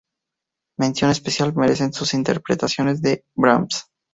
Mención especial merecen sus interpretaciones de Brahms.